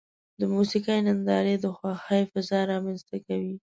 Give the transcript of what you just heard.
د موسیقۍ نندارې د خوښۍ فضا رامنځته کوي.